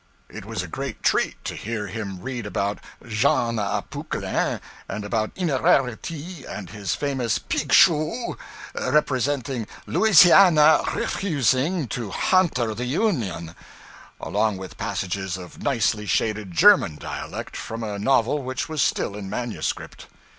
It was a great treat to hear him read about Jean ah Poquelin, and about Innerarity and his famous 'pigshoo' representing 'Louisihanna rif fusing to Hanter the Union,' along with passages of nicely shaded German dialect from a novel which was still in manuscript.